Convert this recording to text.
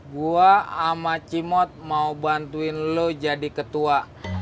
gue sama cimot mau bantuin lo jadi ketua